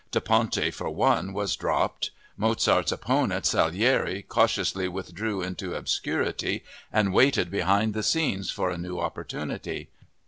Da Ponte, for one, was dropped. Mozart's opponent, Salieri, cautiously withdrew into obscurity and waited behind the scenes for a new opportunity.